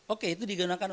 oke itu digenukkan